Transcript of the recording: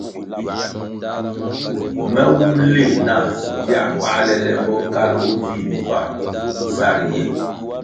Me wumʼ leh nah viā bāle le bokalʼ bo vii mbpa sa riye.